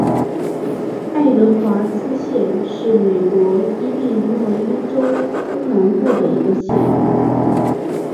爱德华兹县是美国伊利诺伊州东南部的一个县。